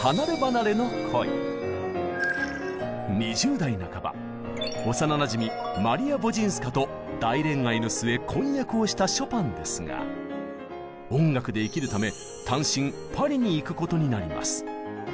２０代半ば幼なじみマリア・ヴォジンスカと大恋愛の末婚約をしたショパンですが音楽で生きるため単身パリに行くことになります。